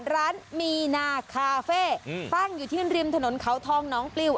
ร้านมีนาคาเฟ่ตั้งอยู่ที่ริมถนนเขาทองน้องปลิว